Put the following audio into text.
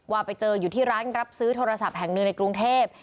ว่าไปเจออยู่ที่ร้านรับซื้อโทรศัพท์แห่งหนึ่งในกรุงเทพ